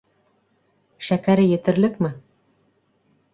Шәкәре етерлекме?